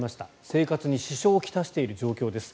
生活に支障を来している状況です。